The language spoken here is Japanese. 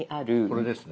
これですね。